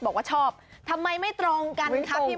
บอกว่าชอบทำไมไม่ตรองกันคะพี่มนต์สิต